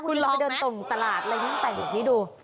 คุณลองเดินตรงตลาดไหมแต่งแบบนี้ดู